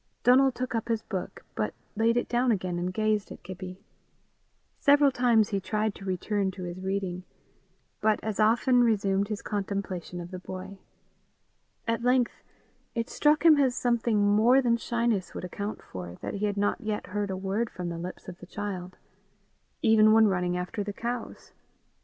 Donal took up his book, but laid it down again and gazed at Gibbie. Several times he tried to return to his reading, but as often resumed his contemplation of the boy. At length it struck him as something more than shyness would account for, that he had not yet heard a word from the lips of the child, even when running after the cows.